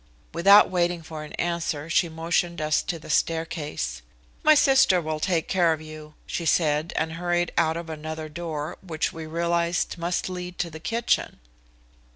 Without waiting for an answer, she motioned us to the staircase. "My sister will take care of you," she said, and hurried out of another door, which we realized must lead to the kitchen.